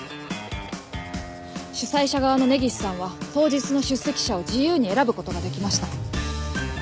主催者側の根岸さんは当日の出席者を自由に選ぶ事ができました。